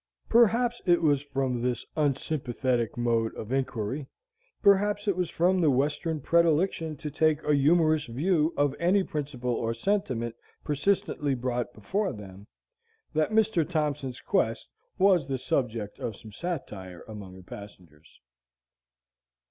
Perhaps it was from this unsympathetic mode of inquiry, perhaps it was from that Western predilection to take a humorous view of any principle or sentiment persistently brought before them, that Mr. Thompson's quest was the subject of some satire among the passengers.